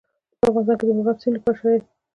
په افغانستان کې د مورغاب سیند لپاره شرایط مناسب دي.